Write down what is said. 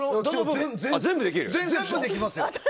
全部できますよ。